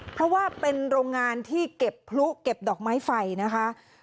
เพราะว่าเป็นโรงงานที่เก็บพลุเก็บดอกไม้ไฟนะคะ